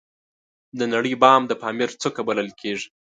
د نړۍ بام د پامیر څوکه بلل کیږي